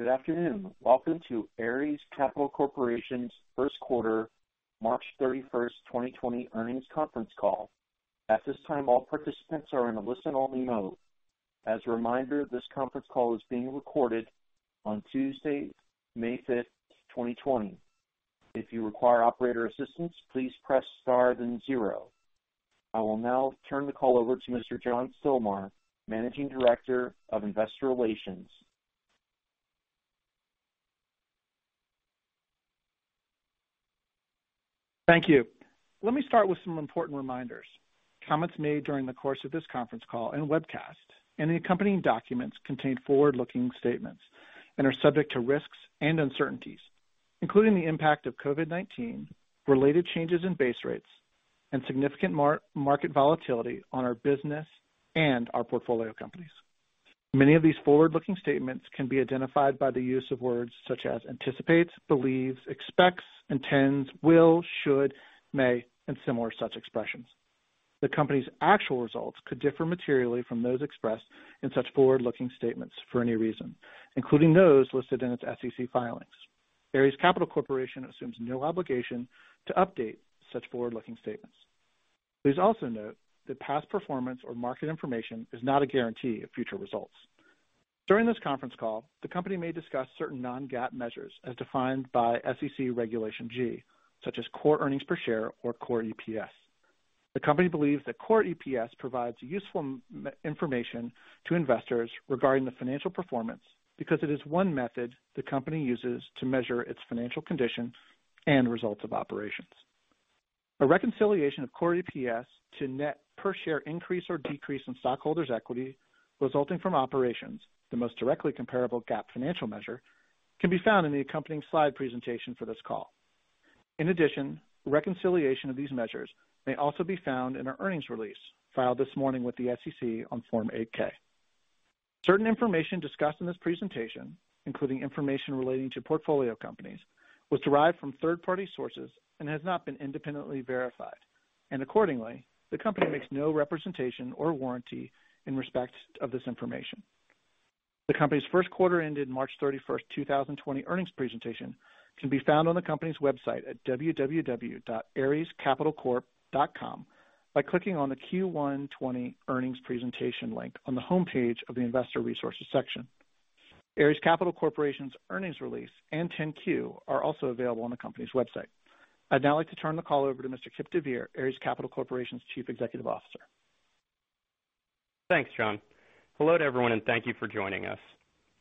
Good afternoon. Welcome to Ares Capital Corporation's first quarter March 31st, 2020 earnings conference call. At this time, all participants are in a listen-only mode. As a reminder, this conference call is being recorded on Tuesday, May 5th, 2020. If you require operator assistance, please press star then zero. I will now turn the call over to Mr. John Stilmar, Managing Director of Investor Relations. Thank you. Let me start with some important reminders. Comments made during the course of this conference call and webcast and the accompanying documents contain forward-looking statements and are subject to risks and uncertainties, including the impact of COVID-19, related changes in base rates, and significant market volatility on our business and our portfolio companies. Many of these forward-looking statements can be identified by the use of words such as anticipates, believes, expects, intends, will, should, may, and similar such expressions. The company's actual results could differ materially from those expressed in such forward-looking statements for any reason, including those listed in its SEC filings. Ares Capital Corporation assumes no obligation to update such forward-looking statements. Please also note that past performance or market information is not a guarantee of future results. During this conference call, the company may discuss certain non-GAAP measures as defined by SEC Regulation G, such as core earnings per share or core EPS. The company believes that core EPS provides useful information to investors regarding the financial performance because it is one method the company uses to measure its financial condition and results of operations. A reconciliation of core EPS to net per share increase or decrease in stockholders' equity resulting from operations, the most directly comparable GAAP financial measure, can be found in the accompanying slide presentation for this call. In addition, reconciliation of these measures may also be found in our earnings release filed this morning with the SEC on Form 8-K. Certain information discussed in this presentation, including information relating to portfolio companies, was derived from third-party sources and has not been independently verified. Accordingly, the company makes no representation or warranty in respect of this information. The company's first quarter ended March 31st, 2020 earnings presentation can be found on the company's website at www.arescapitalcorp.com by clicking on the Q1 2020 earnings presentation link on the homepage of the investor resources section. Ares Capital Corporation's earnings release and 10-Q are also available on the company's website. I'd now like to turn the call over to Mr. Kipp deVeer, Ares Capital Corporation's Chief Executive Officer. Thanks, John. Hello to everyone, and thank you for joining us.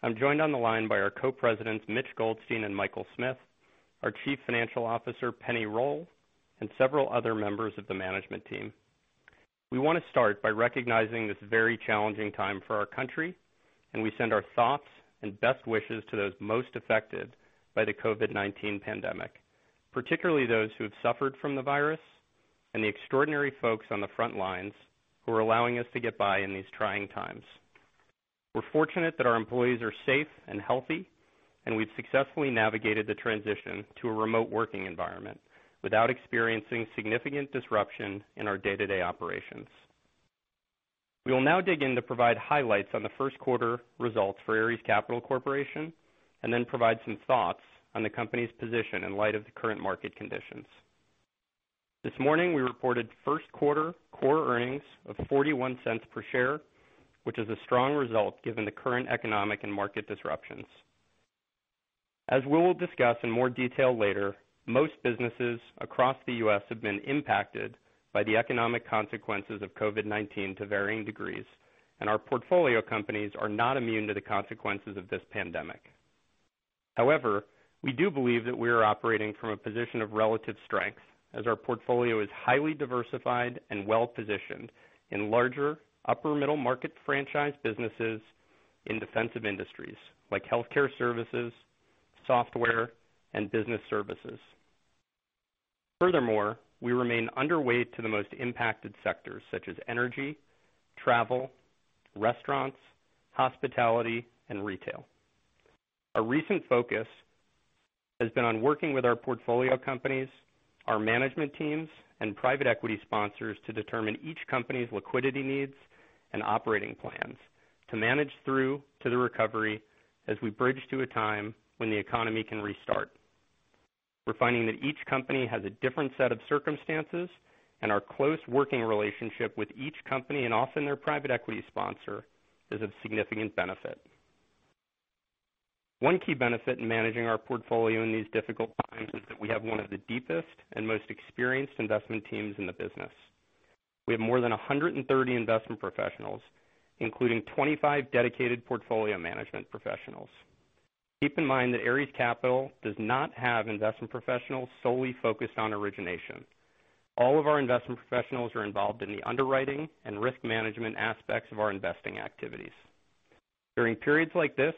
I'm joined on the line by our Co-Presidents, Mitchell Goldstein and Michael Smith, our Chief Financial Officer, Penni Roll, and several other members of the management team. We want to start by recognizing this very challenging time for our country, and we send our thoughts and best wishes to those most affected by the COVID-19 pandemic. Particularly those who have suffered from the virus and the extraordinary folks on the front lines who are allowing us to get by in these trying times. We're fortunate that our employees are safe and healthy, and we've successfully navigated the transition to a remote working environment without experiencing significant disruption in our day-to-day operations. We will now dig in to provide highlights on the first quarter results for Ares Capital Corporation and then provide some thoughts on the company's position in light of the current market conditions. This morning, we reported first quarter core earnings of $0.41 per share, which is a strong result given the current economic and market disruptions. As we will discuss in more detail later, most businesses across the U.S. have been impacted by the economic consequences of COVID-19 to varying degrees, and our portfolio companies are not immune to the consequences of this pandemic. We do believe that we are operating from a position of relative strength as our portfolio is highly diversified and well-positioned in larger upper middle-market franchise businesses in defensive industries like healthcare services, software, and business services. Furthermore, we remain underweight to the most impacted sectors such as energy, travel, restaurants, hospitality, and retail. Our recent focus has been on working with our portfolio companies, our management teams, and private equity sponsors to determine each company's liquidity needs and operating plans to manage through to the recovery as we bridge to a time when the economy can restart. We're finding that each company has a different set of circumstances, and our close working relationship with each company and often their private equity sponsor is of significant benefit. One key benefit in managing our portfolio in these difficult times is that we have one of the deepest and most experienced investment teams in the business. We have more than 130 investment professionals, including 25 dedicated portfolio management professionals. Keep in mind that Ares Capital does not have investment professionals solely focused on origination. All of our investment professionals are involved in the underwriting and risk management aspects of our investing activities. During periods like this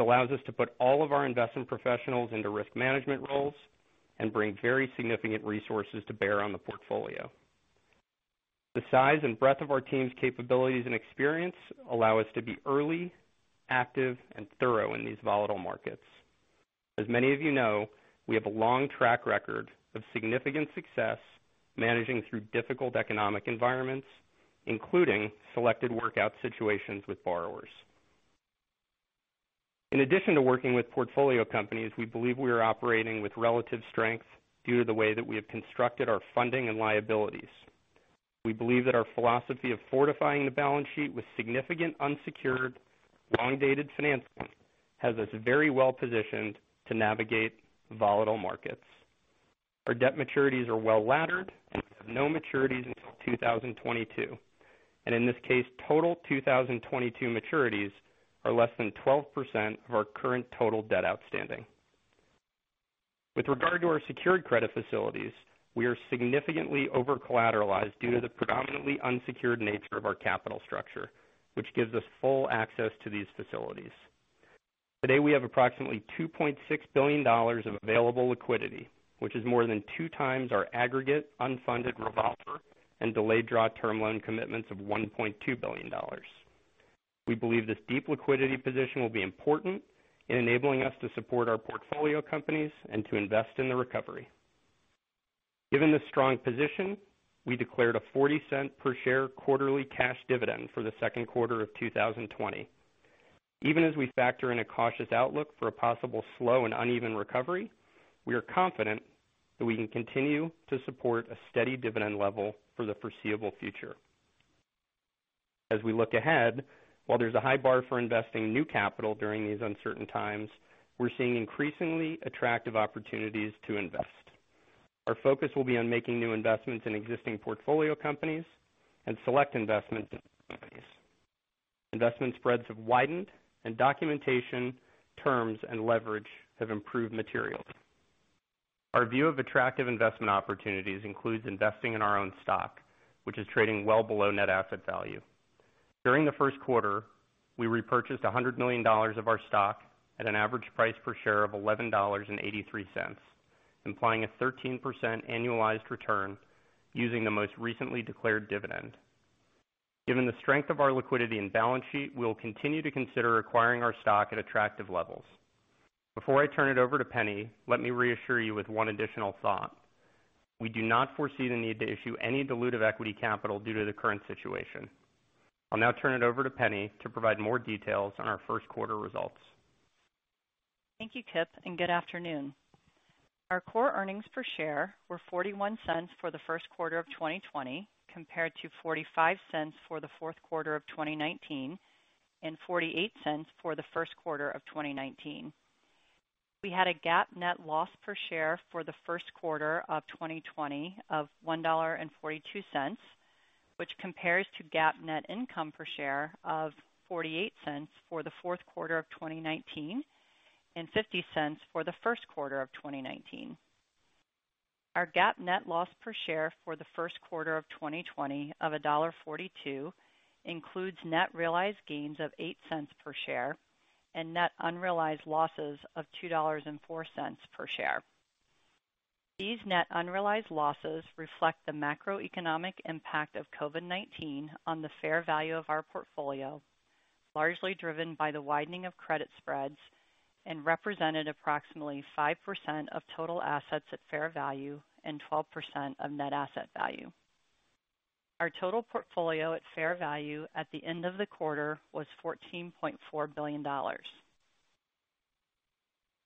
allows us to put all of our investment professionals into risk management roles and bring very significant resources to bear on the portfolio. The size and breadth of our team's capabilities and experience allow us to be early, active, and thorough in these volatile markets. As many of you know, we have a long track record of significant success managing through difficult economic environments, including selected workout situations with borrowers. In addition to working with portfolio companies, we believe we are operating with relative strength due to the way that we have constructed our funding and liabilities. We believe that our philosophy of fortifying the balance sheet with significant unsecured, long-dated financing has us very well positioned to navigate volatile markets. Our debt maturities are well-laddered. We have no maturities until 2022. In this case, total 2022 maturities are less than 12% of our current total debt outstanding. With regard to our secured credit facilities, we are significantly over-collateralized due to the predominantly unsecured nature of our capital structure, which gives us full access to these facilities. Today, we have approximately $2.6 billion of available liquidity, which is more than two times our aggregate unfunded revolver and delayed draw term loan commitments of $1.2 billion. We believe this deep liquidity position will be important in enabling us to support our portfolio companies and to invest in the recovery. Given this strong position, we declared a $0.40 per share quarterly cash dividend for the second quarter of 2020. Even as we factor in a cautious outlook for a possible slow and uneven recovery, we are confident that we can continue to support a steady dividend level for the foreseeable future. As we look ahead, while there's a high bar for investing new capital during these uncertain times, we're seeing increasingly attractive opportunities to invest. Our focus will be on making new investments in existing portfolio companies and select investments in other companies. Investment spreads have widened, and documentation terms and leverage have improved materially. Our view of attractive investment opportunities includes investing in our own stock, which is trading well below net asset value. During the first quarter, we repurchased $100 million of our stock at an average price per share of $11.83, implying a 13% annualized return using the most recently declared dividend. Given the strength of our liquidity and balance sheet, we will continue to consider acquiring our stock at attractive levels. Before I turn it over to Penni, let me reassure you with one additional thought. We do not foresee the need to issue any dilutive equity capital due to the current situation. I'll now turn it over to Penni to provide more details on our first quarter results. Thank you, Kipp, good afternoon. Our core EPS were $0.41 for the first quarter of 2020, compared to $0.45 for the fourth quarter of 2019 and $0.48 for the first quarter of 2019. We had a GAAP net loss per share for the first quarter of 2020 of $1.42, which compares to GAAP net income per share of $0.48 for the fourth quarter of 2019 and $0.50 for the first quarter of 2019. Our GAAP net loss per share for the first quarter of 2020 of $1.42 includes net realized gains of $0.08 per share and net unrealized losses of $2.04 per share. These net unrealized losses reflect the macroeconomic impact of COVID-19 on the fair value of our portfolio, largely driven by the widening of credit spreads and represented approximately 5% of total assets at fair value and 12% of net asset value. Our total portfolio at fair value at the end of the quarter was $14.4 billion.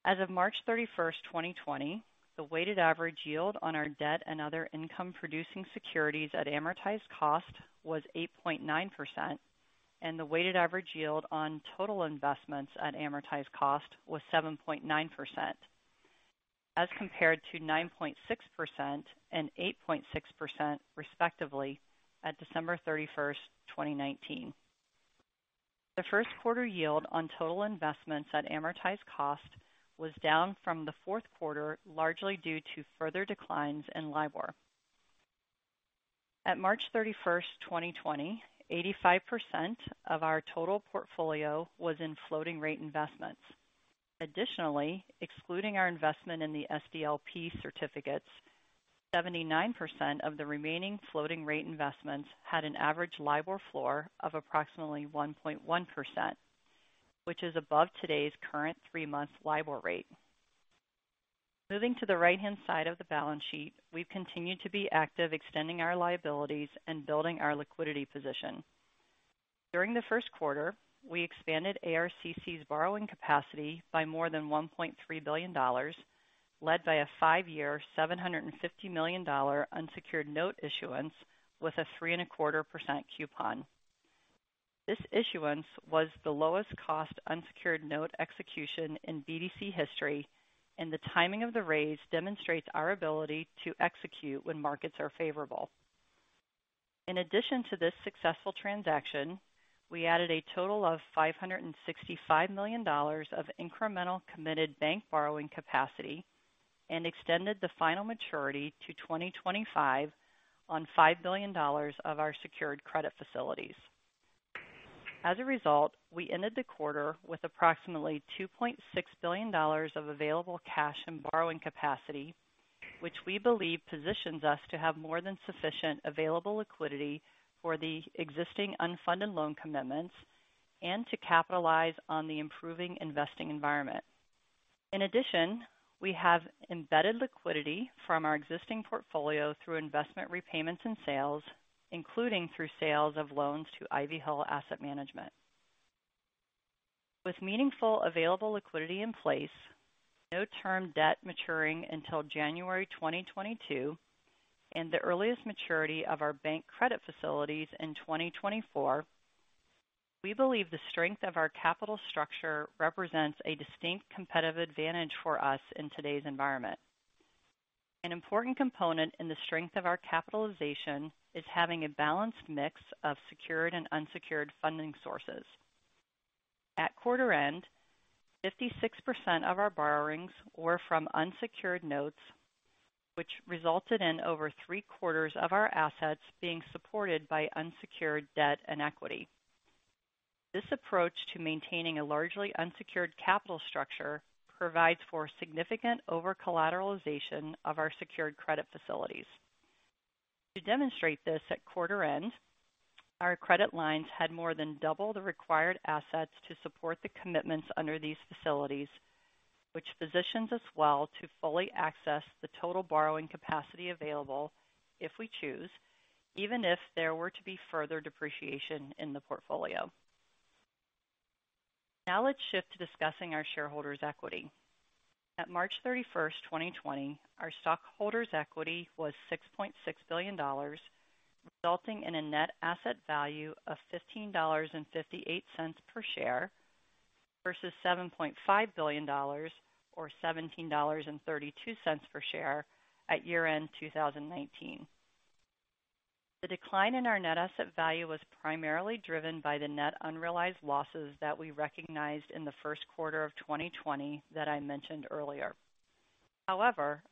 As of March 31st, 2020, the weighted average yield on our debt and other income-producing securities at amortized cost was 8.9%, and the weighted average yield on total investments at amortized cost was 7.9%, as compared to 9.6% and 8.6%, respectively, at December 31st, 2019. The first quarter yield on total investments at amortized cost was down from the fourth quarter, largely due to further declines in LIBOR. At March 31st, 2020, 85% of our total portfolio was in floating rate investments. Additionally, excluding our investment in the SDLP certificates, 79% of the remaining floating rate investments had an average LIBOR floor of approximately 1.1%, which is above today's current three-month LIBOR rate. Moving to the right-hand side of the balance sheet, we've continued to be active extending our liabilities and building our liquidity position. During the first quarter, we expanded ARCC's borrowing capacity by more than $1.3 billion, led by a five-year, $750 million unsecured note issuance with a 3.25% coupon. This issuance was the lowest cost unsecured note execution in BDC history, and the timing of the raise demonstrates our ability to execute when markets are favorable. In addition to this successful transaction, we added a total of $565 million of incremental committed bank borrowing capacity and extended the final maturity to 2025 on $5 billion of our secured credit facilities. We ended the quarter with approximately $2.6 billion of available cash and borrowing capacity, which we believe positions us to have more than sufficient available liquidity for the existing unfunded loan commitments and to capitalize on the improving investing environment. We have embedded liquidity from our existing portfolio through investment repayments and sales, including through sales of loans to Ivy Hill Asset Management. With meaningful available liquidity in place, no term debt maturing until January 2022, and the earliest maturity of our bank credit facilities in 2024, we believe the strength of our capital structure represents a distinct competitive advantage for us in today's environment. An important component in the strength of our capitalization is having a balanced mix of secured and unsecured funding sources. At quarter end, 56% of our borrowings were from unsecured notes, which resulted in over three-quarters of our assets being supported by unsecured debt and equity. This approach to maintaining a largely unsecured capital structure provides for significant over-collateralization of our secured credit facilities. To demonstrate this, at quarter end, our credit lines had more than double the required assets to support the commitments under these facilities, which positions us well to fully access the total borrowing capacity available if we choose, even if there were to be further depreciation in the portfolio. Let's shift to discussing our shareholders' equity. At March 31st, 2020, our stockholders' equity was $6.6 billion, resulting in a net asset value of $15.58 per share versus $7.5 billion or $17.32 per share at year-end 2019. The decline in our net asset value was primarily driven by the net unrealized losses that we recognized in the first quarter of 2020 that I mentioned earlier. However,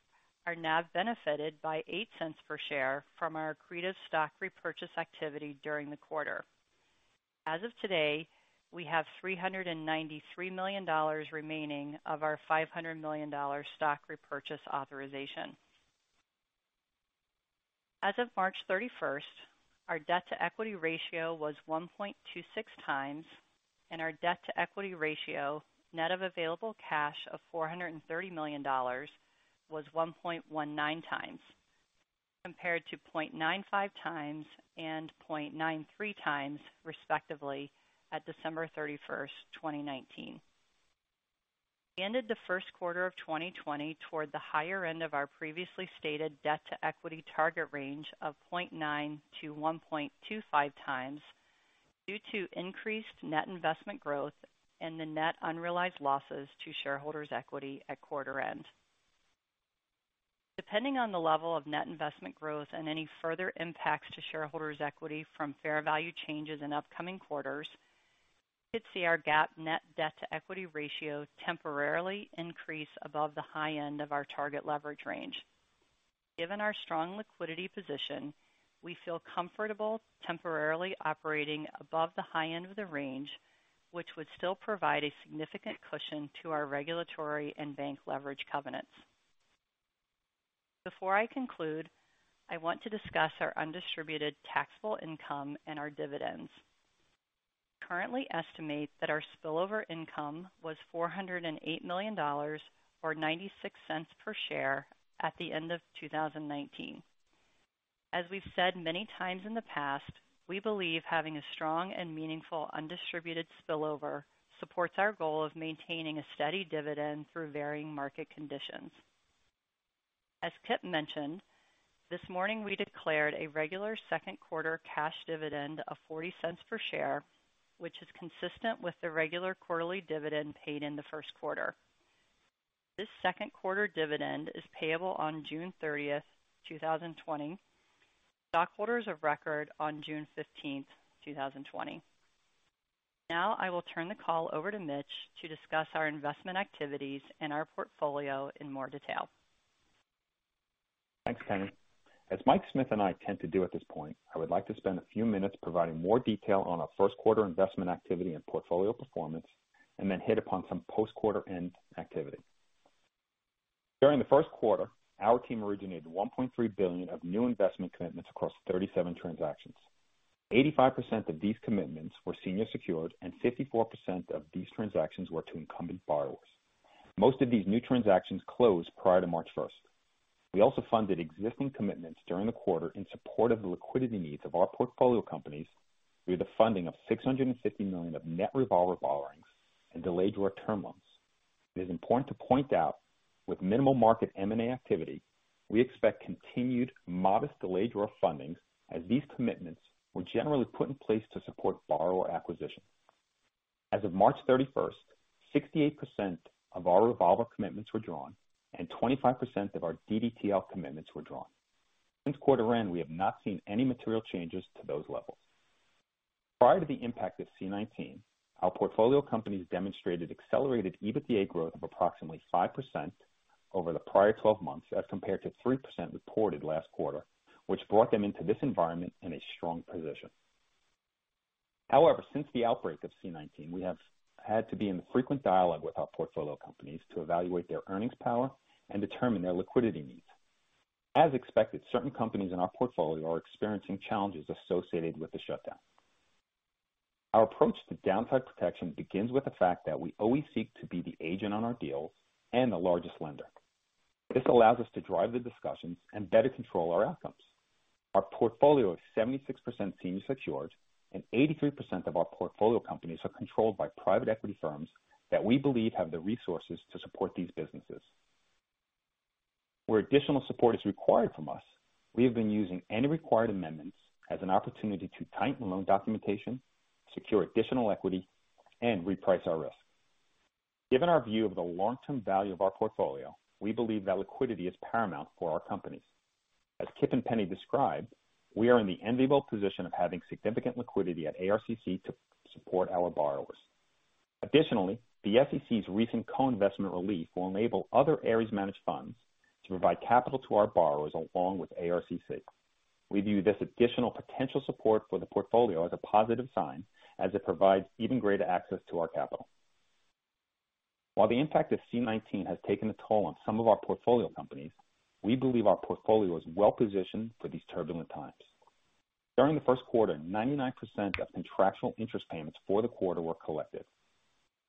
our NAV benefited by $0.08 per share from our accretive stock repurchase activity during the quarter. As of today, we have $393 million remaining of our $500 million stock repurchase authorization. As of March 31st, our debt-to-equity ratio was 1.26x, and our debt-to-equity ratio, net of available cash of $430 million, was 1.19x, compared to 0.95x and 0.93x, respectively, at December 31st, 2019. We ended the first quarter of 2020 toward the higher end of our previously stated debt-to-equity target range of 0.9x-1.25x due to increased net investment growth and the net unrealized losses to shareholders' equity at quarter end. Depending on the level of net investment growth and any further impacts to shareholders' equity from fair value changes in upcoming quarters, you could see our GAAP net debt-to-equity ratio temporarily increase above the high end of our target leverage range. Given our strong liquidity position, we feel comfortable temporarily operating above the high end of the range, which would still provide a significant cushion to our regulatory and bank leverage covenants. Before I conclude, I want to discuss our undistributed taxable income and our dividends. We currently estimate that our spillover income was $408 million, or $0.96 per share, at the end of 2019. As we've said many times in the past, we believe having a strong and meaningful undistributed spillover supports our goal of maintaining a steady dividend through varying market conditions. As Kipp mentioned, this morning we declared a regular second quarter cash dividend of $0.40 per share, which is consistent with the regular quarterly dividend paid in the first quarter. This second quarter dividend is payable on June 30th, 2020, with stockholders of record on June 15th, 2020. Now I will turn the call over to Mitch to discuss our investment activities and our portfolio in more detail. Thanks, Penni. As Michael Smith and I tend to do at this point, I would like to spend a few minutes providing more detail on our first quarter investment activity and portfolio performance, and then hit upon some post-quarter end activity. During the first quarter, our team originated $1.3 billion of new investment commitments across 37 transactions. 85% of these commitments were senior secured, and 54% of these transactions were to incumbent borrowers. Most of these new transactions closed prior to March 1st. We also funded existing commitments during the quarter in support of the liquidity needs of our portfolio companies through the funding of $650 million of net revolver borrowings and delayed-draw term loans. It is important to point out, with minimal market M&A activity, we expect continued modest delayed-draw fundings as these commitments were generally put in place to support borrower acquisition. As of March 31st, 68% of our revolver commitments were drawn, and 25% of our DDTL commitments were drawn. Since quarter end, we have not seen any material changes to those levels. Prior to the impact of C-19, our portfolio companies demonstrated accelerated EBITDA growth of approximately 5% over the prior 12 months as compared to 3% reported last quarter, which brought them into this environment in a strong position. However, since the outbreak of C-19, we have had to be in frequent dialogue with our portfolio companies to evaluate their earnings power and determine their liquidity needs. As expected, certain companies in our portfolio are experiencing challenges associated with the shutdown. Our approach to downside protection begins with the fact that we always seek to be the agent on our deals and the largest lender. This allows us to drive the discussions and better control our outcomes. Our portfolio is 76% senior secured, and 83% of our portfolio companies are controlled by private equity firms that we believe have the resources to support these businesses. Where additional support is required from us, we have been using any required amendments as an opportunity to tighten loan documentation, secure additional equity, and reprice our risk. Given our view of the long-term value of our portfolio, we believe that liquidity is paramount for our companies. As Kipp and Penni described, we are in the enviable position of having significant liquidity at ARCC to support our borrowers. The SEC's recent co-investment relief will enable other Ares managed funds to provide capital to our borrowers along with ARCC. We view this additional potential support for the portfolio as a positive sign as it provides even greater access to our capital. While the impact of C-19 has taken a toll on some of our portfolio companies, we believe our portfolio is well-positioned for these turbulent times. During the first quarter, 99% of contractual interest payments for the quarter were collected.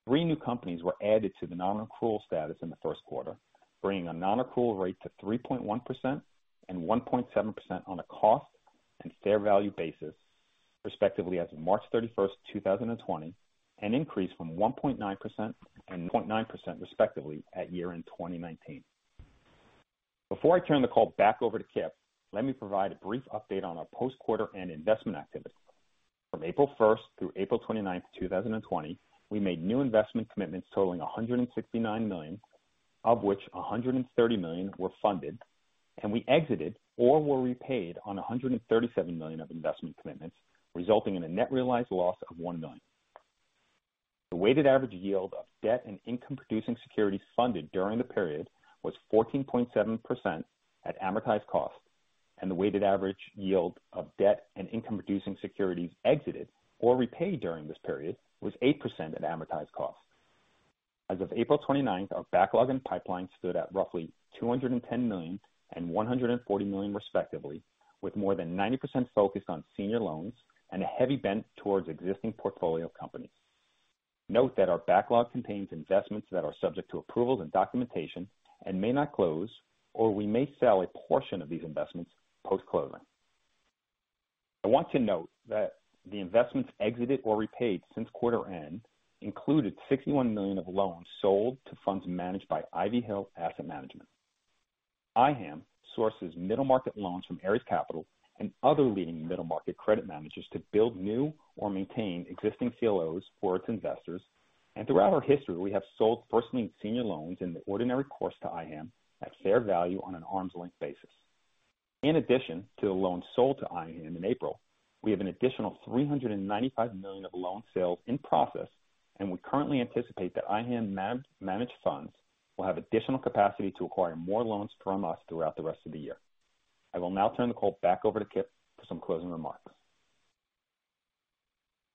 Three new companies were added to the non-accrual status in the first quarter, bringing a non-accrual rate to 3.1% and 1.7% on a cost and fair value basis, respectively, as of March 31st, 2020, an increase from 1.9% and 0.9%, respectively, at year-end 2019. Before I turn the call back over to Kipp, let me provide a brief update on our post-quarter and investment activity. From April 1st through April 29th, 2020, we made new investment commitments totaling $169 million, of which $130 million were funded, and we exited or were repaid on $137 million of investment commitments, resulting in a net realized loss of $1 million. The weighted average yield of debt and income-producing securities funded during the period was 14.7% at amortized cost, and the weighted average yield of debt and income-producing securities exited or repaid during this period was 8% at amortized cost. As of April 29th, our backlog and pipeline stood at roughly $210 million and $140 million, respectively, with more than 90% focused on senior loans and a heavy bent towards existing portfolio companies. Note that our backlog contains investments that are subject to approvals and documentation and may not close, or we may sell a portion of these investments post-closing. I want to note that the investments exited or repaid since quarter end included $61 million of loans sold to funds managed by Ivy Hill Asset Management. IHAM sources middle market loans from Ares Capital and other leading middle market credit managers to build new or maintain existing CLOs for its investors. Throughout our history, we have sold first lien senior loans in the ordinary course to IHAM at fair value on an arm's length basis. In addition to the loans sold to IHAM in April, we have an additional $395 million of loan sales in process, and we currently anticipate that IHAM managed funds will have additional capacity to acquire more loans from us throughout the rest of the year. I will now turn the call back over to Kipp for some closing remarks.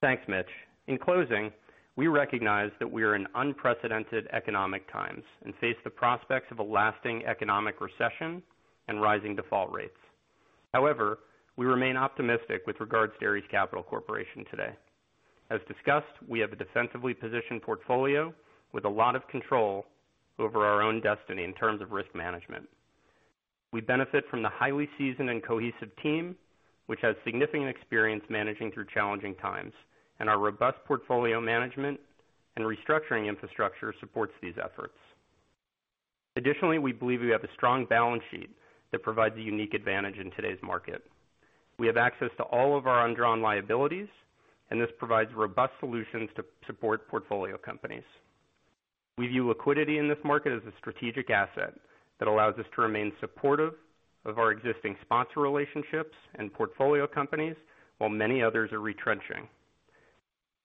Thanks, Mitch. In closing, we recognize that we are in unprecedented economic times and face the prospects of a lasting economic recession and rising default rates. However, we remain optimistic with regards to Ares Capital Corporation today. As discussed, we have a defensively positioned portfolio with a lot of control over our own destiny in terms of risk management. We benefit from the highly seasoned and cohesive team, which has significant experience managing through challenging times, and our robust portfolio management and restructuring infrastructure supports these efforts. Additionally, we believe we have a strong balance sheet that provides a unique advantage in today's market. We have access to all of our undrawn liabilities, and this provides robust solutions to support portfolio companies. We view liquidity in this market as a strategic asset that allows us to remain supportive of our existing sponsor relationships and portfolio companies while many others are retrenching.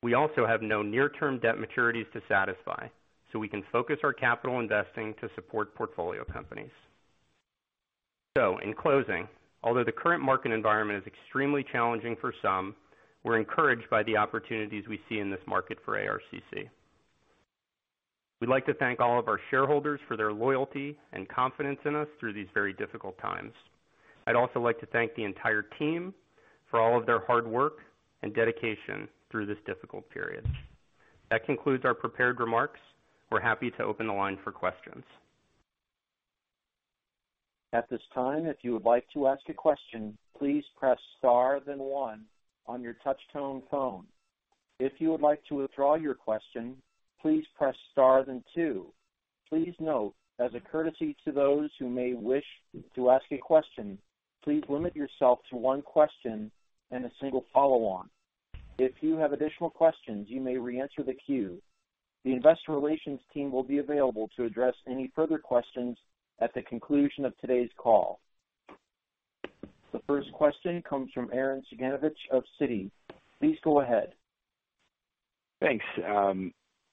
We also have no near-term debt maturities to satisfy, so we can focus our capital investing to support portfolio companies. In closing, although the current market environment is extremely challenging for some, we're encouraged by the opportunities we see in this market for ARCC. We'd like to thank all of our shareholders for their loyalty and confidence in us through these very difficult times. I'd also like to thank the entire team for all of their hard work and dedication through this difficult period. That concludes our prepared remarks. We're happy to open the line for questions. At this time, if you would like to ask a question, please press star one on your touch-tone phone. If you would like to withdraw your question, please press star two. Please note, as a courtesy to those who may wish to ask a question, please limit yourself to one question and a single follow-on. If you have additional questions, you may reenter the queue. The investor relations team will be available to address any further questions at the conclusion of today's call. The first question comes from Arren Cyganovich of Citi. Please go ahead. Thanks.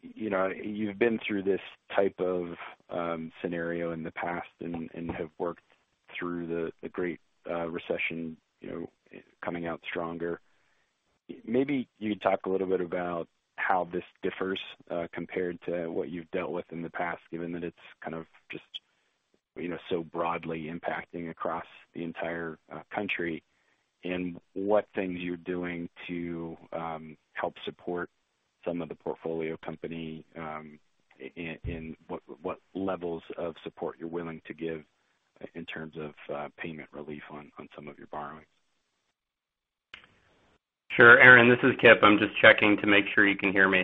You've been through this type of scenario in the past and have worked through the Great Recession, coming out stronger. Maybe you'd talk a little bit about how this differs compared to what you've dealt with in the past, given that it's kind of just so broadly impacting across the entire country, and what things you're doing to help support some of the portfolio company, and what levels of support you're willing to give in terms of payment relief on some of your borrowings. Sure. Arren, this is Kipp. I'm just checking to make sure you can hear me.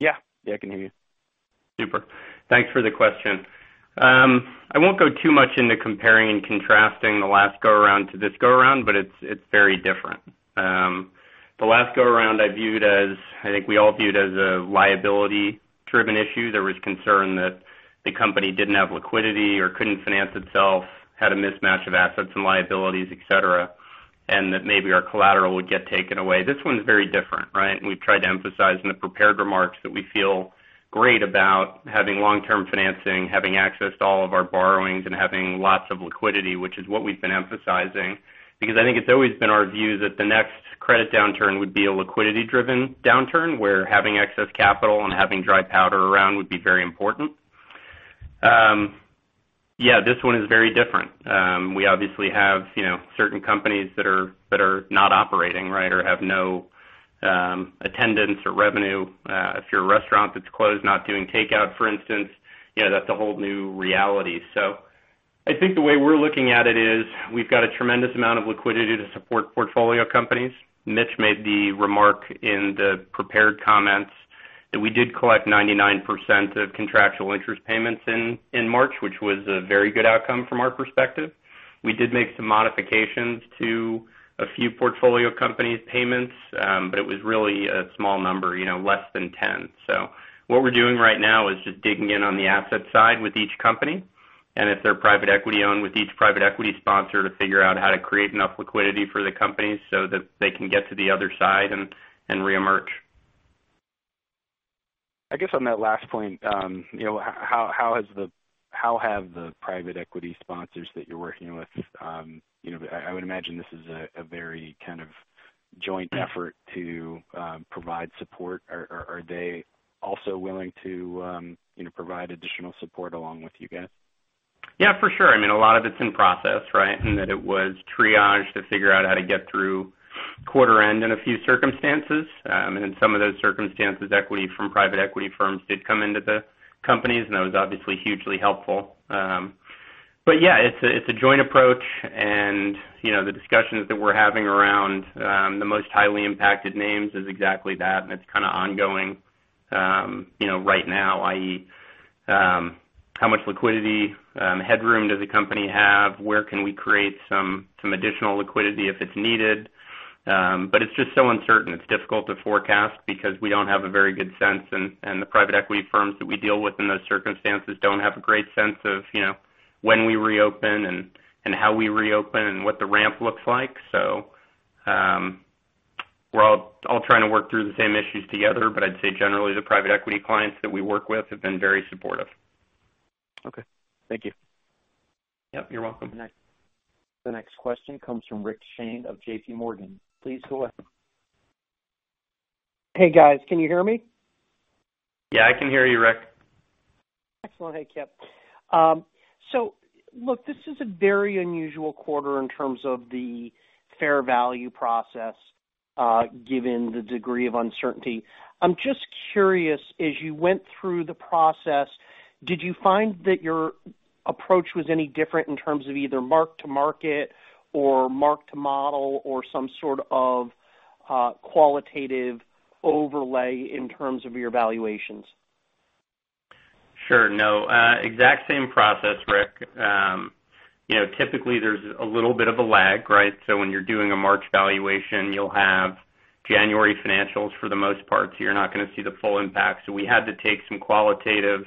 Yeah. I can hear you. Super. Thanks for the question. I won't go too much into comparing and contrasting the last go-around to this go-around, but it's very different. The last go-around I viewed as, I think we all viewed as a liability-driven issue. There was concern that the company didn't have liquidity or couldn't finance itself, had a mismatch of assets and liabilities, et cetera, and that maybe our collateral would get taken away. This one's very different, right? We've tried to emphasize in the prepared remarks that we feel great about having long-term financing, having access to all of our borrowings, and having lots of liquidity, which is what we've been emphasizing. I think it's always been our view that the next credit downturn would be a liquidity-driven downturn, where having excess capital and having dry powder around would be very important. Yeah, this one is very different. We obviously have certain companies that are not operating, right, or have no attendance or revenue. If you're a restaurant that's closed, not doing takeout, for instance, that's a whole new reality. I think the way we're looking at it is we've got a tremendous amount of liquidity to support portfolio companies. Mitch made the remark in the prepared comments that we did collect 99% of contractual interest payments in March, which was a very good outcome from our perspective. We did make some modifications to a few portfolio companies' payments, but it was really a small number, less than 10. What we're doing right now is just digging in on the asset side with each company, and if they're private equity-owned, with each private equity sponsor to figure out how to create enough liquidity for the companies so that they can get to the other side and reemerge. I guess on that last point, how have the private equity sponsors that you're working with? I would imagine this is a very kind of joint effort to provide support. Are they also willing to provide additional support along with you guys? Yeah, for sure. I mean, a lot of it's in process, right? In that it was triaged to figure out how to get through quarter end in a few circumstances. In some of those circumstances, equity from private equity firms did come into the companies, and that was obviously hugely helpful. Yeah, it's a joint approach, and the discussions that we're having around the most highly impacted names is exactly that, and it's kind of ongoing right now, i.e., how much liquidity headroom does a company have? Where can we create some additional liquidity if it's needed? It's just so uncertain. It's difficult to forecast because we don't have a very good sense, and the private equity firms that we deal with in those circumstances don't have a great sense of when we reopen and how we reopen and what the ramp looks like. We're all trying to work through the same issues together. I'd say generally, the private equity clients that we work with have been very supportive. Okay. Thank you. Yep, you're welcome. The next question comes from Rick Shane of JPMorgan. Please go ahead. Hey, guys. Can you hear me? Yeah, I can hear you, Rick. Excellent. Hey, Kipp. Look, this is a very unusual quarter in terms of the fair value process, given the degree of uncertainty. I'm just curious, as you went through the process, did you find that your approach was any different in terms of either mark-to-market or mark-to-model or some sort of qualitative overlay in terms of your valuations? Sure. Exact same process, Rick. Typically, there's a little bit of a lag, right? When you're doing a March valuation, you'll have January financials for the most part, you're not going to see the full impact. We had to take some qualitative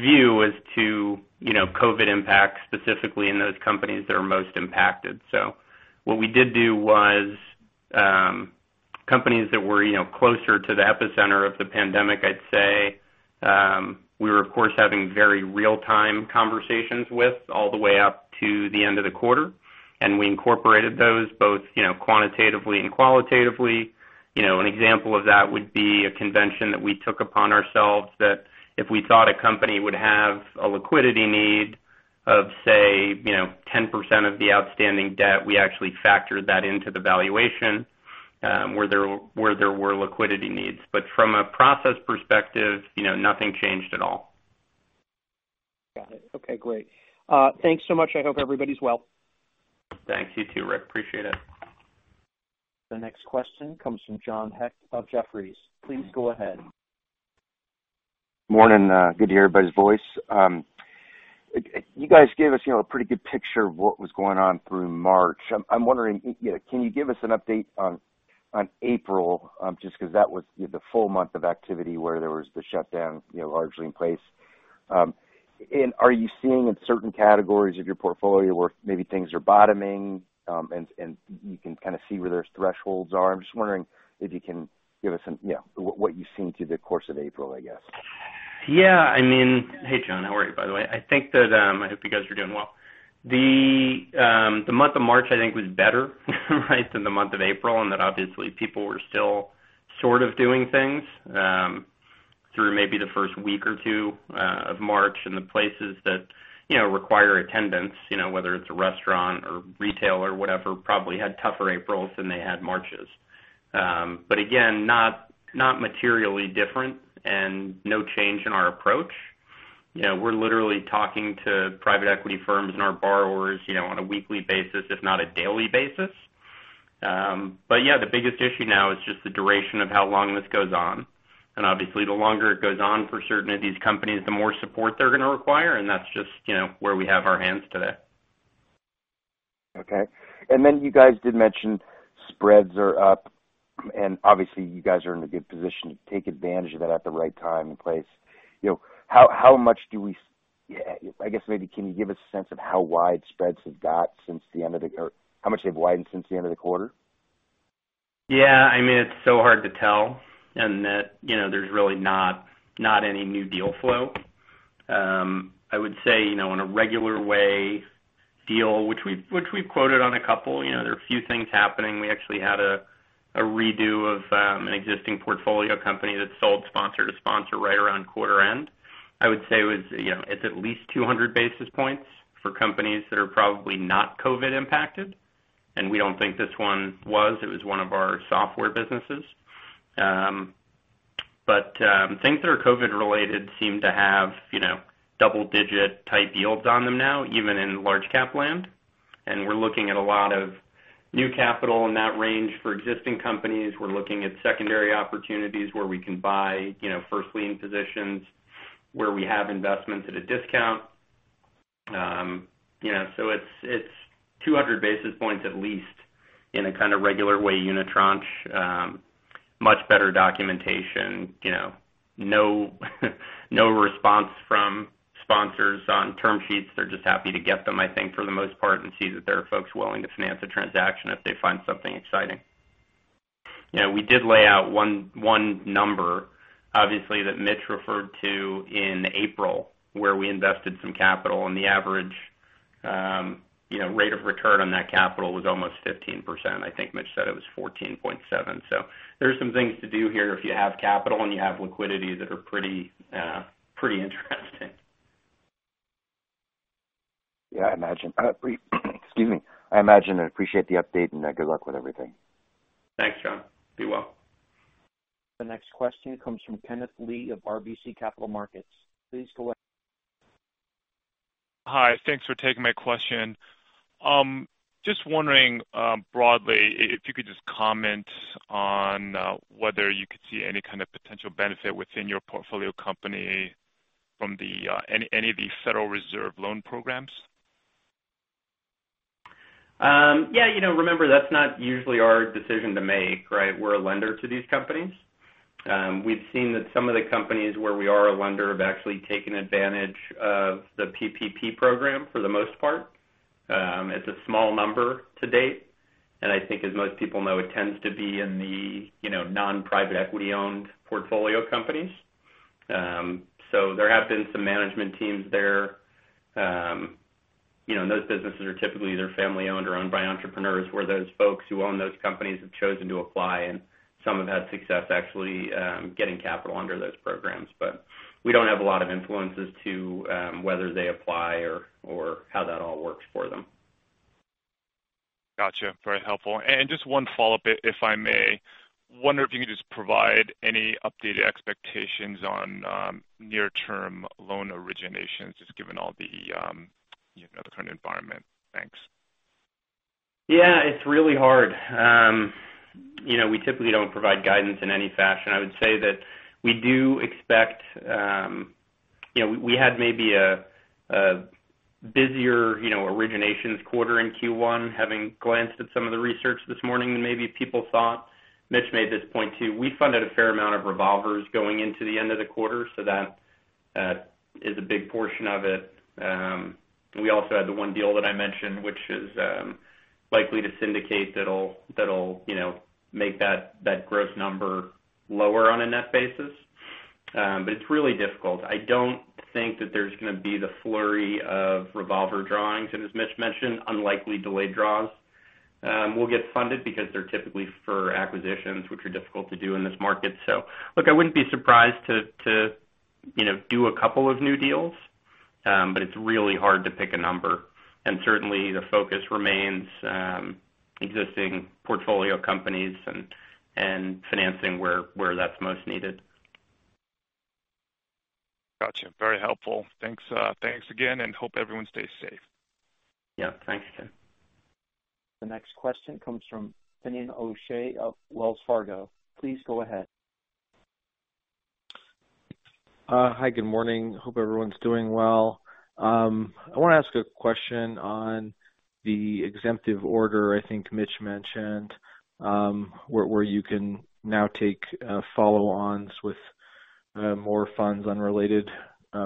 view as to COVID impact, specifically in those companies that are most impacted. What we did do was, companies that were closer to the epicenter of the pandemic, I'd say, we were, of course, having very real-time conversations with all the way up to the end of the quarter, and we incorporated those both quantitatively and qualitatively. An example of that would be a convention that we took upon ourselves that if we thought a company would have a liquidity need of, say, 10% of the outstanding debt, we actually factored that into the valuation, where there were liquidity needs. From a process perspective nothing changed at all. Got it. Okay, great. Thanks so much. I hope everybody's well. Thanks. You too, Rick. Appreciate it. The next question comes from John Hecht of Jefferies. Please go ahead. Morning. Good to hear everybody's voice. You guys gave us a pretty good picture of what was going on through March. I'm wondering, can you give us an update on April? Just because that was the full month of activity where there was the shutdown largely in place. Are you seeing in certain categories of your portfolio where maybe things are bottoming, and you can kind of see where those thresholds are? I'm just wondering if you can give us what you've seen through the course of April, I guess. Yeah. Hey, John. How are you, by the way? I hope you guys are doing well. The month of March, I think, was better than the month of April. Obviously people were still sort of doing things through maybe the first week or two of March. The places that require attendance, whether it's a restaurant or retail or whatever, probably had tougher Aprils than they had Marches. Again, not materially different and no change in our approach. We're literally talking to private equity firms and our borrowers on a weekly basis, if not a daily basis. Yeah, the biggest issue now is just the duration of how long this goes on. Obviously, the longer it goes on for certain of these companies, the more support they're going to require, and that's just where we have our hands today. Okay. You guys did mention spreads are up, and obviously, you guys are in a good position to take advantage of that at the right time and place. Can you give a sense of how much they've widened since the end of the quarter? It's so hard to tell in that there's really not any new deal flow. I would say in a regular way deal, which we've quoted on a couple. There are a few things happening. We actually had a redo of an existing portfolio company that sold sponsor to sponsor right around quarter end. I would say it's at least 200 basis points for companies that are probably not COVID impacted, and we don't think this one was. It was one of our software businesses. Things that are COVID related seem to have double-digit type yields on them now, even in large cap land. We're looking at a lot of new capital in that range for existing companies. We're looking at secondary opportunities where we can buy first lien positions, where we have investments at a discount. It's 200 basis points at least in a kind of regular way unitranche. Much better documentation. No response from sponsors on term sheets. They're just happy to get them, I think, for the most part, and see that there are folks willing to finance a transaction if they find something exciting. We did lay out one number, obviously, that Mitch referred to in April, where we invested some capital, and the average rate of return on that capital was almost 15%. I think Mitch said it was 14.7. There are some things to do here if you have capital and you have liquidity that are pretty interesting. Yeah, I imagine. Excuse me. I imagine and appreciate the update, and good luck with everything. Thanks, John. Be well. The next question comes from Kenneth Lee of RBC Capital Markets. Please go ahead. Hi. Thanks for taking my question. Just wondering, broadly, if you could just comment on whether you could see any kind of potential benefit within your portfolio company from any of the Federal Reserve loan programs. Yeah. Remember, that's not usually our decision to make, right? We're a lender to these companies. We've seen that some of the companies where we are a lender have actually taken advantage of the PPP program, for the most part. It's a small number to date, and I think as most people know, it tends to be in the non-private equity-owned portfolio companies. There have been some management teams there. Those businesses are typically either family-owned or owned by entrepreneurs, where those folks who own those companies have chosen to apply, and some have had success actually getting capital under those programs. We don't have a lot of influences to whether they apply or how that all works for them. Got you. Very helpful. Just one follow-up, if I may. Wonder if you could just provide any updated expectations on near-term loan originations, just given all the current environment. Thanks. Yeah, it's really hard. We typically don't provide guidance in any fashion. I would say that we had maybe a busier originations quarter in Q1, having glanced at some of the research this morning, than maybe people thought. Mitch made this point, too. We funded a fair amount of revolvers going into the end of the quarter, so that is a big portion of it. We also had the one deal that I mentioned, which is likely to syndicate, that'll make that gross number lower on a net basis. It's really difficult. I don't think that there's going to be the flurry of revolver drawings, and as Mitch mentioned, unlikely delayed draws will get funded because they're typically for acquisitions, which are difficult to do in this market. Look, I wouldn't be surprised to do a couple of new deals. It's really hard to pick a number, and certainly, the focus remains existing portfolio companies and financing where that's most needed. Got you. Very helpful. Thanks again, and hope everyone stays safe. Yeah. Thanks, Ken. The next question comes from Finian O'Shea of Wells Fargo. Please go ahead. Hi, good morning. Hope everyone's doing well. I want to ask a question on the exemptive order I think Mitch mentioned, where you can now take follow-ons with more funds unrelated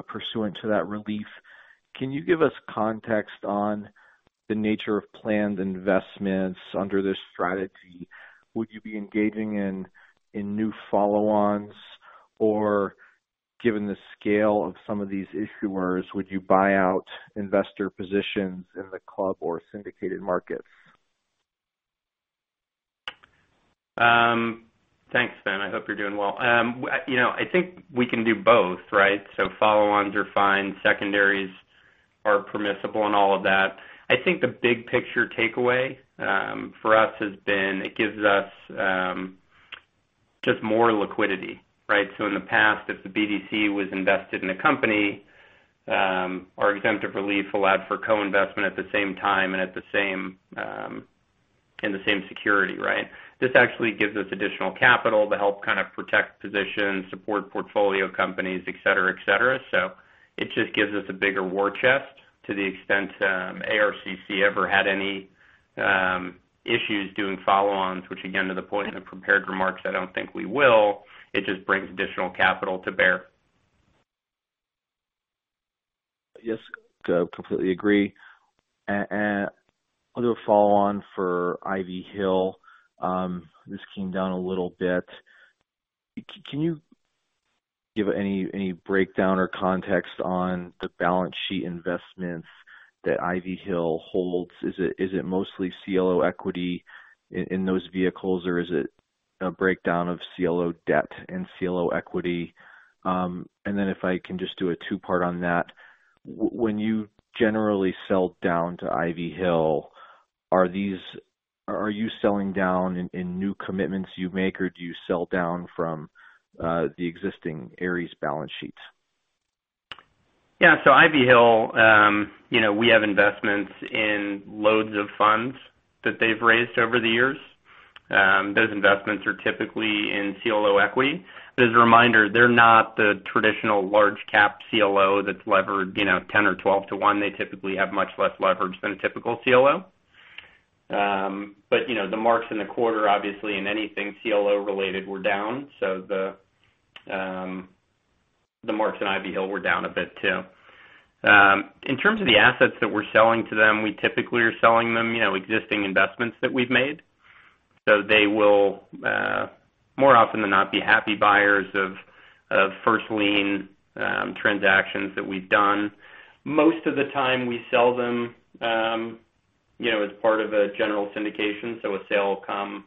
pursuant to that relief. Can you give us context on the nature of planned investments under this strategy? Would you be engaging in new follow-ons or, given the scale of some of these issuers, would you buy out investor positions in the club or syndicated markets? Thanks, Finian. I hope you're doing well. I think we can do both, right? Follow-ons are fine. Secondaries are permissible and all of that. I think the big picture takeaway for us has been it gives us just more liquidity, right? In the past, if the BDC was invested in a company, our exemptive relief allowed for co-investment at the same time and in the same security, right? This actually gives us additional capital to help kind of protect positions, support portfolio companies, et cetera. It just gives us a bigger war chest to the extent ARCC ever had any issues doing follow-ons, which again, to the point of the prepared remarks, I don't think we will. It just brings additional capital to bear. Yes, completely agree. Other follow-on for Ivy Hill. This came down a little bit. Can you give any breakdown or context on the balance sheet investments that Ivy Hill holds? Is it mostly CLO equity in those vehicles, or is it a breakdown of CLO debt and CLO equity? If I can just do a two-part on that. When you generally sell down to Ivy Hill, are you selling down in new commitments you make, or do you sell down from the existing Ares balance sheets? Yeah. Ivy Hill, we have investments in loads of funds that they've raised over the years. Those investments are typically in CLO equity. As a reminder, they're not the traditional large-cap CLO that's levered 10 or 12 to one. They typically have much less leverage than a typical CLO. The marks in the quarter, obviously, in anything CLO related, were down. The marks in Ivy Hill were down a bit too. In terms of the assets that we're selling to them, we typically are selling them existing investments that we've made. They will, more often than not, be happy buyers of first-lien transactions that we've done. Most of the time we sell them as part of a general syndication. A sale will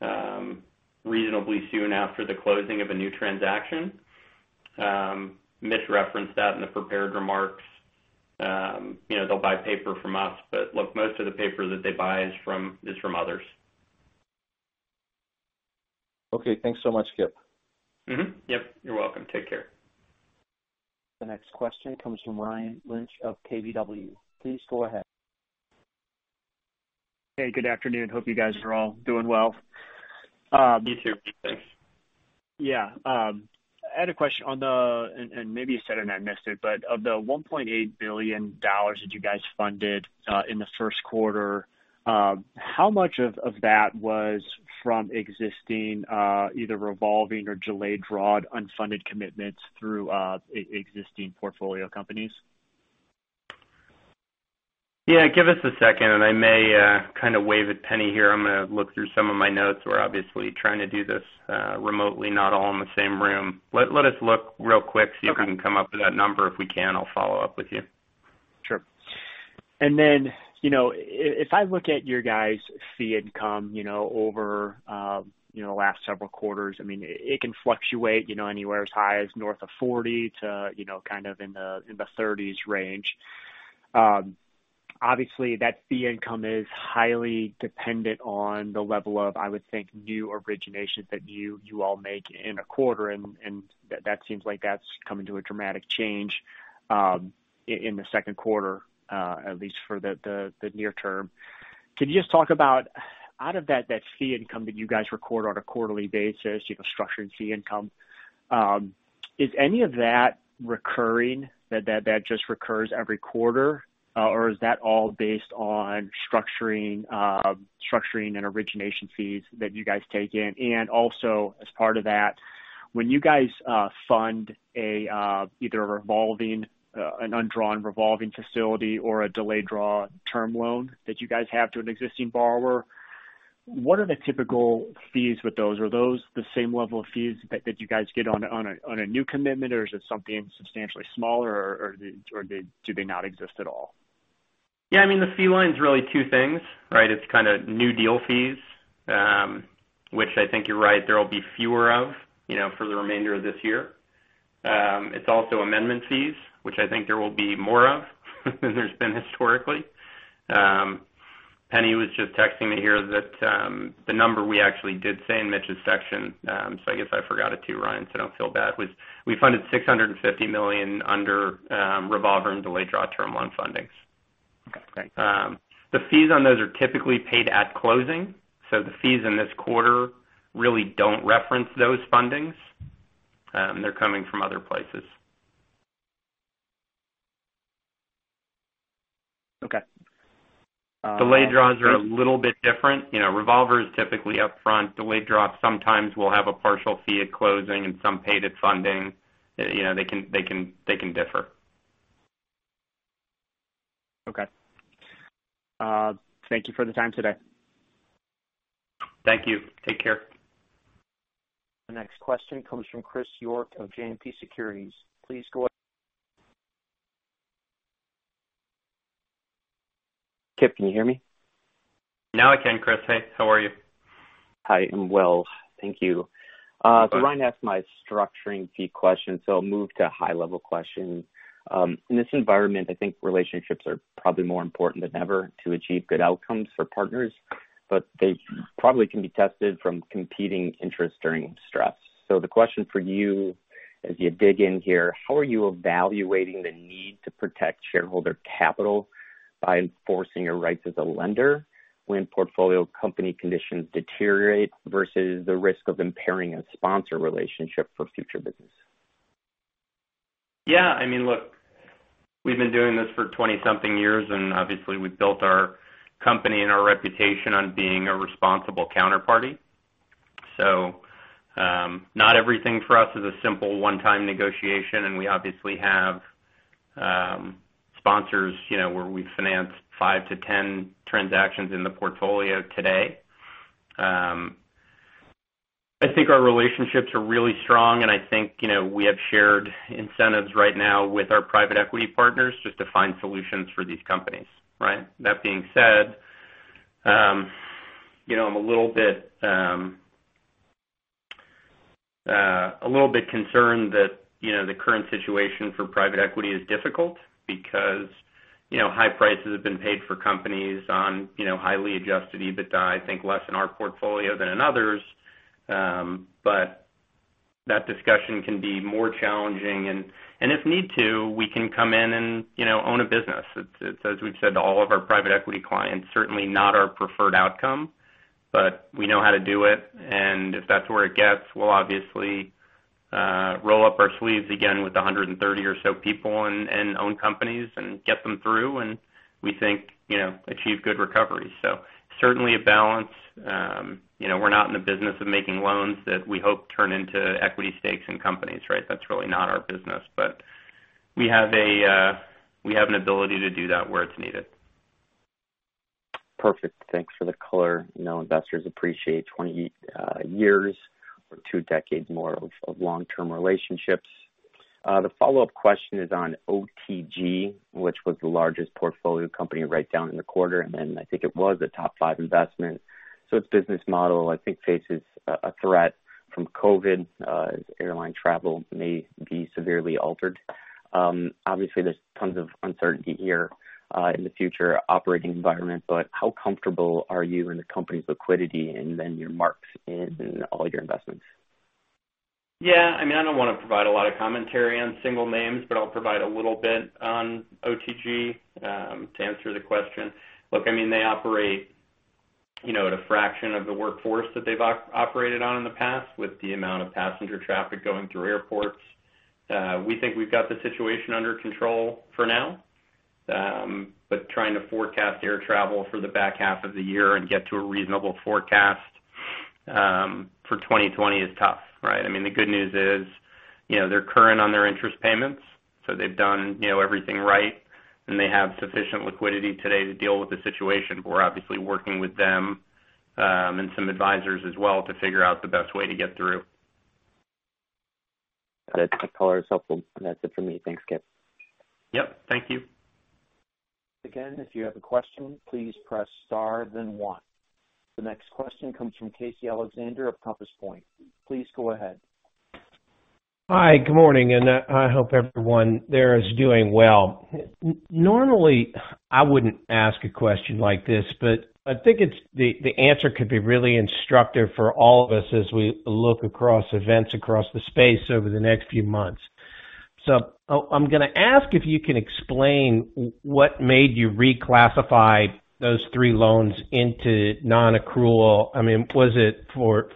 come reasonably soon after the closing of a new transaction. Mitch referenced that in the prepared remarks. They'll buy paper from us, but look, most of the paper that they buy is from others. Okay. Thanks so much, Kipp. Mm-hmm. Yep. You're welcome. Take care. The next question comes from Ryan Lynch of KBW. Please go ahead. Hey, good afternoon. Hope you guys are all doing well. You too. Thanks. Yeah. I had a question and maybe you said it and I missed it, but of the $1.8 billion that you guys funded in the first quarter, how much of that was from existing, either revolving or delayed draw unfunded commitments through existing portfolio companies? Yeah. Give us a second, and I may kind of wave at Penni here. I'm going to look through some of my notes. We're obviously trying to do this remotely, not all in the same room. Let us look real quick. Okay See if we can come up with that number. If we can, I'll follow up with you. Sure. Then, if I look at your guys' fee income over the last several quarters, I mean, it can fluctuate anywhere as high as north of 40 to kind of in the 30s range. Obviously, that fee income is highly dependent on the level of, I would think, new originations that you all make in a quarter, and that seems like that's coming to a dramatic change in the second quarter, at least for the near term. Can you just talk about, out of that fee income that you guys record on a quarterly basis, structured fee income, is any of that recurring, that just recurs every quarter? Is that all based on structuring and origination fees that you guys take in? Also, as part of that, when you guys fund either an undrawn revolving facility or a delayed draw term loan that you guys have to an existing borrower, what are the typical fees with those? Are those the same level of fees that you guys get on a new commitment, or is it something substantially smaller, or do they not exist at all? I mean, the fee line's really two things, right? It's kind of new deal fees, which I think you're right, there will be fewer of for the remainder of this year. It's also amendment fees, which I think there will be more of than there's been historically. Penni was just texting me here that the number we actually did say in Mitch's section, so I guess I forgot it too, Ryan, so don't feel bad, was we funded $650 million under revolver and delayed draw term loan fundings. Great. The fees on those are typically paid at closing. The fees in this quarter really don't reference those fundings. They're coming from other places. Okay. The late draws are a little bit different. Revolver is typically upfront. Delay draw sometimes will have a partial fee at closing and some paid at funding. They can differ. Okay. Thank you for the time today. Thank you. Take care. The next question comes from Christopher York of JMP Securities. Please go ahead. Kipp, can you hear me? Now I can, Chris. Hey, how are you? Hi, I'm well. Thank you. Okay. Ryan asked my structuring fee question. I'll move to a high-level question. In this environment, I think relationships are probably more important than ever to achieve good outcomes for partners, but they probably can be tested from competing interests during stress. The question for you as you dig in here, how are you evaluating the need to protect shareholder capital by enforcing your rights as a lender when portfolio company conditions deteriorate versus the risk of impairing a sponsor relationship for future business? Yeah. Look, we've been doing this for 20-something years, and obviously we've built our company and our reputation on being a responsible counterparty. Not everything for us is a simple one-time negotiation, and we obviously have sponsors where we finance 5 to 10 transactions in the portfolio today. I think our relationships are really strong, and I think we have shared incentives right now with our private equity partners just to find solutions for these companies. Right? That being said, I'm a little bit concerned that the current situation for private equity is difficult because high prices have been paid for companies on highly adjusted EBITDA, I think less in our portfolio than in others. That discussion can be more challenging. If need to, we can come in and own a business. It's as we've said to all of our private equity clients, certainly not our preferred outcome. We know how to do it. If that's where it gets, we'll obviously roll up our sleeves again with 130 or so people and own companies and get them through, and we think achieve good recovery. Certainly a balance. We're not in the business of making loans that we hope turn into equity stakes in companies, right? That's really not our business. We have an ability to do that where it's needed. Perfect. Thanks for the color. Investors appreciate 20 years or two decades more of long-term relationships. The follow-up question is on OTG, which was the largest portfolio company write-down in the quarter, and then I think it was a top five investment. Its business model, I think faces a threat from COVID, as airline travel may be severely altered. Obviously, there's tons of uncertainty here, in the future operating environment, but how comfortable are you in the company's liquidity and then your marks in all your investments? Yeah. I don't want to provide a lot of commentary on single names, but I'll provide a little bit on OTG, to answer the question. Look, they operate at a fraction of the workforce that they've operated on in the past with the amount of passenger traffic going through airports. We think we've got the situation under control for now. Trying to forecast air travel for the back half of the year and get to a reasonable forecast for 2020 is tough, right? The good news is, they're current on their interest payments, so they've done everything right, and they have sufficient liquidity today to deal with the situation. We're obviously working with them, and some advisors as well, to figure out the best way to get through. That color is helpful. That's it for me. Thanks, Kipp. Yep. Thank you. Again, if you have a question, please press star then one. The next question comes from Casey Alexander of Compass Point. Please go ahead. Hi. Good morning, and I hope everyone there is doing well. Normally, I wouldn't ask a question like this, but I think the answer could be really instructive for all of us as we look across events across the space over the next few months. I'm going to ask if you can explain what made you reclassify those three loans into non-accrual. Was it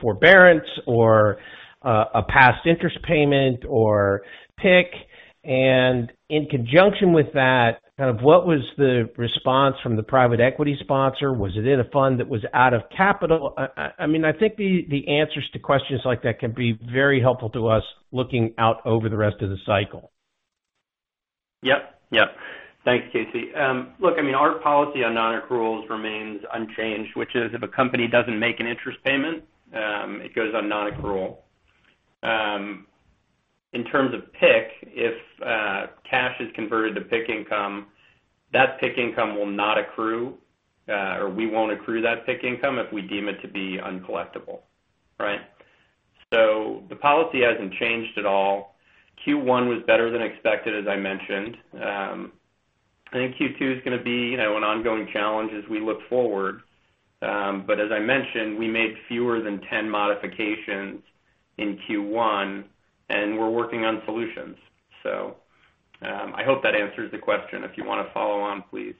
forbearance or a past interest payment or PIK? In conjunction with that, what was the response from the private equity sponsor? Was it in a fund that was out of capital? I think the answers to questions like that can be very helpful to us looking out over the rest of the cycle. Yep. Thanks, Casey. Look, our policy on non-accruals remains unchanged, which is if a company doesn't make an interest payment, it goes on non-accrual. In terms of PIK, if cash is converted to PIK income, that PIK income will not accrue, or we won't accrue that PIK income if we deem it to be uncollectible. Right? The policy hasn't changed at all. Q1 was better than expected, as I mentioned. I think Q2 is going to be an ongoing challenge as we look forward. As I mentioned, we made fewer than 10 modifications in Q1, and we're working on solutions. I hope that answers the question. If you want to follow on, please.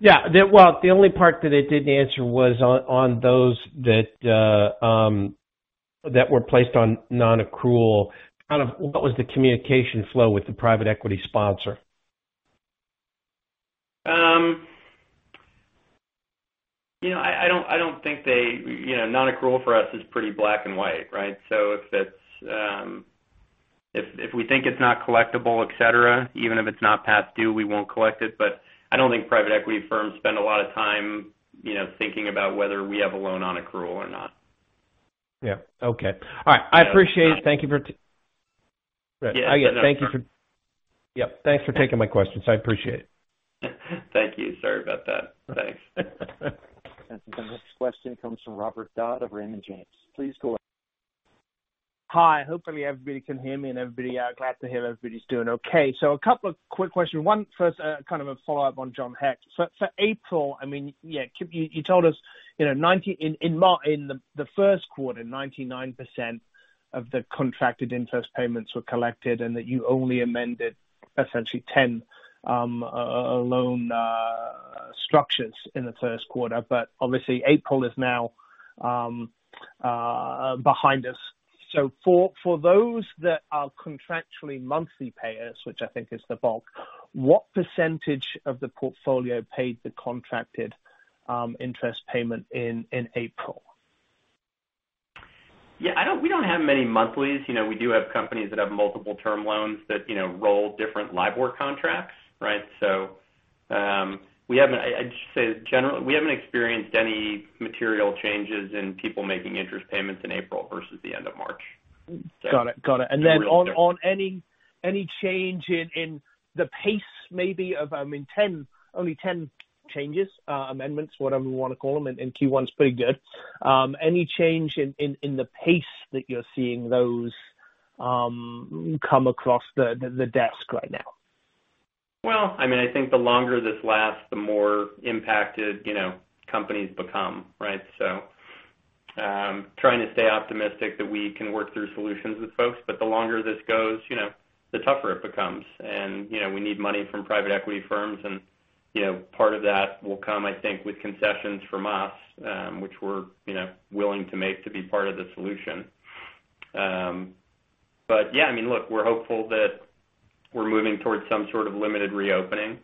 Yeah. Well, the only part that it didn't answer was on those that were placed on non-accrual. What was the communication flow with the private equity sponsor? Non-accrual for us is pretty black and white, right? If we think it's not collectible, et cetera, even if it's not past due, we won't collect it. I don't think private equity firms spend a lot of time thinking about whether we have a loan on accrual or not. Yeah. Okay. All right. I appreciate it. Thank you for- Yeah. Yeah. Thanks for taking my questions. I appreciate it. Thank you. Sorry about that. Thanks. The next question comes from Robert Dodd of Raymond James. Please go ahead. Hi. Hopefully, everybody can hear me and glad to hear everybody's doing okay. A couple of quick questions. One first, kind of a follow-up on John Hecht. For April, you told us in the first quarter, 99% of the contracted interest payments were collected and that you only amended essentially 10 loan structures in the first quarter. Obviously, April is now behind us. For those that are contractually monthly payers, which I think is the bulk, what percentage of the portfolio paid the contracted interest payment in April? Yeah, we don't have many monthlies. We do have companies that have multiple-term loans that roll different LIBOR contracts, right? I'd just say, generally, we haven't experienced any material changes in people making interest payments in April versus the end of March. Got it. Then on any change in the pace maybe of I mean, only 10 changes, amendments, whatever we want to call them, in Q1 is pretty good. Any change in the pace that you're seeing those come across the desk right now? I think the longer this lasts, the more impacted companies become, right? Trying to stay optimistic that we can work through solutions with folks, but the longer this goes, the tougher it becomes. We need money from private equity firms, and part of that will come, I think, with concessions from us, which we're willing to make to be part of the solution. Yeah, look, we're hopeful that we're moving towards some sort of limited reopening.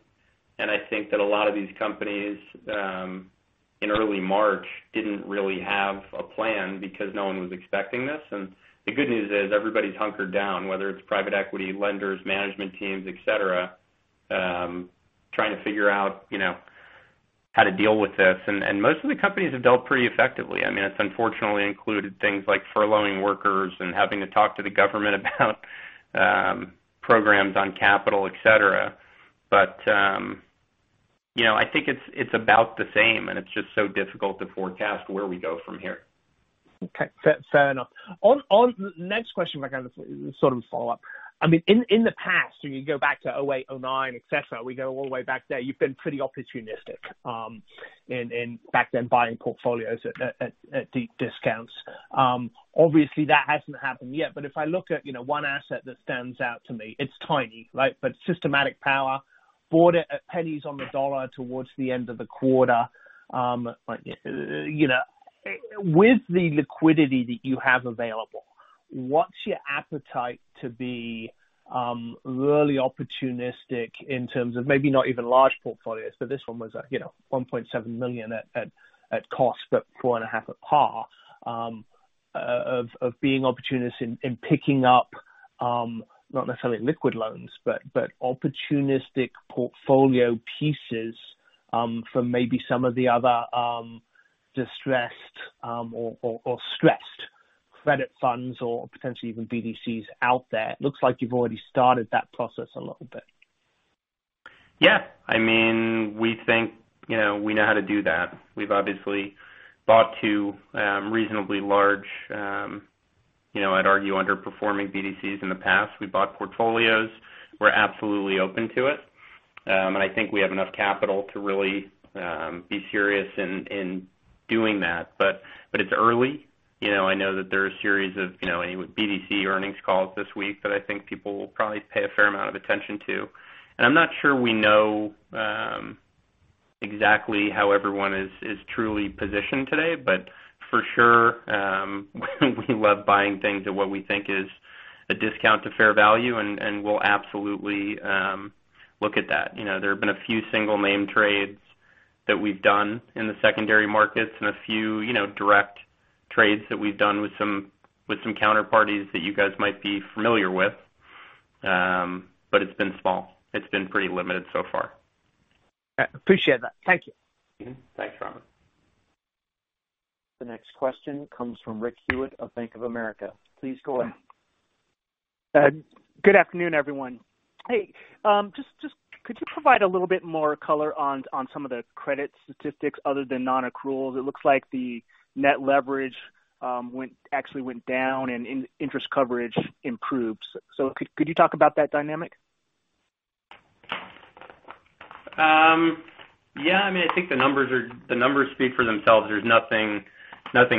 I think that a lot of these companies, in early March, didn't really have a plan because no one was expecting this. The good news is everybody's hunkered down, whether it's private equity, lenders, management teams, et cetera, trying to figure out how to deal with this. Most of the companies have dealt pretty effectively. It's unfortunately included things like furloughing workers and having to talk to the government about programs on capital, et cetera. I think it's about the same, and it's just so difficult to forecast where we go from here. Okay. Fair enough. On next question, like sort of a follow-up. In the past, when you go back to 2008, 2009, et cetera, we go all the way back there, you've been pretty opportunistic in back then buying portfolios at deep discounts. Obviously, that hasn't happened yet. If I look at one asset that stands out to me, it's tiny, right? Systematic Power bought it at pennies on the dollar towards the end of the quarter. With the liquidity that you have available, what's your appetite to be really opportunistic in terms of maybe not even large portfolios, but this one was $1.7 million at cost, but 4.5 at par, of being opportunistic in picking up, not necessarily liquid loans, but opportunistic portfolio pieces from maybe some of the other distressed or stressed credit funds or potentially even BDCs out there. It looks like you've already started that process a little bit. Yeah. We think we know how to do that. We've obviously bought two reasonably large, I'd argue, underperforming BDCs in the past. We bought portfolios. We're absolutely open to it. I think we have enough capital to really be serious in doing that. It's early. I know that there are a series of BDC earnings calls this week that I think people will probably pay a fair amount of attention to. I'm not sure we know exactly how everyone is truly positioned today. For sure, we love buying things at what we think is a discount to fair value, and we'll absolutely look at that. There have been a few single-name trades that we've done in the secondary markets and a few direct trades that we've done with some counterparties that you guys might be familiar with. It's been small. It's been pretty limited so far. Okay. Appreciate that. Thank you. Mm-hmm. Thanks, Robert. The next question comes from Derek Hewett of Bank of America. Please go ahead. Good afternoon, everyone. Hey, just could you provide a little bit more color on some of the credit statistics other than non-accruals? It looks like the net leverage actually went down and interest coverage improved. Could you talk about that dynamic? Yeah. I think the numbers speak for themselves. There's nothing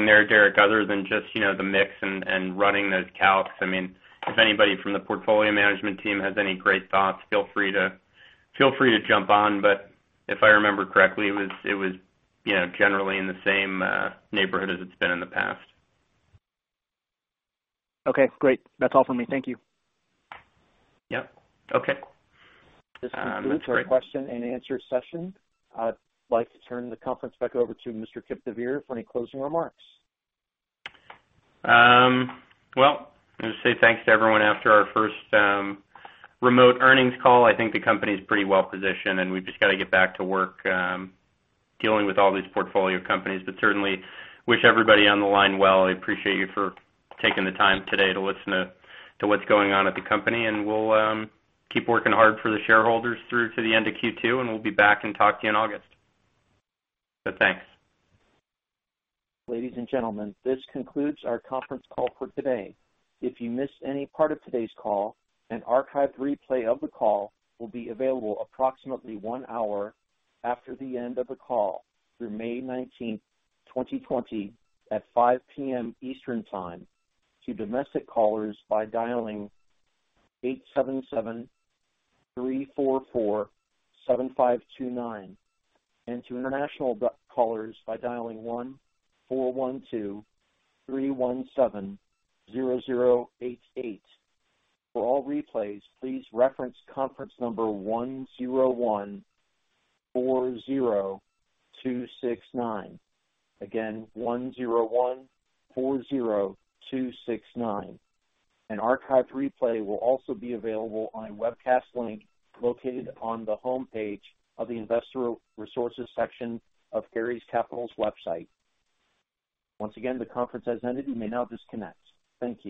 there, Derek, other than just the mix and running those calcs. If anybody from the portfolio management team has any great thoughts, feel free to jump on. If I remember correctly, it was generally in the same neighborhood as it's been in the past. Okay, great. That's all for me. Thank you. Yep. Okay. That's great. This concludes our question and answer session. I'd like to turn the conference back over to Mr. Kipp deVeer for any closing remarks. Well, I'm going to say thanks to everyone after our first remote earnings call. I think the company's pretty well-positioned, and we've just got to get back to work dealing with all these portfolio companies. Certainly wish everybody on the line well. I appreciate you for taking the time today to listen to what's going on at the company. We'll keep working hard for the shareholders through to the end of Q2, and we'll be back and talk to you in August. Thanks. Ladies and gentlemen, this concludes our conference call for today. If you missed any part of today's call, an archived replay of the call will be available approximately one hour after the end of the call through May 19th, 2020 at 5:00 P.M. Eastern Time to domestic callers by dialing 877-344-7529 and to international callers by dialing 1-412-317-0088. For all replays, please reference conference number 10140269. Again, 10140269. An archived replay will also be available on webcast link located on the homepage of the investor resources section of Ares Capital's website. Once again, the conference has ended. You may now disconnect. Thank you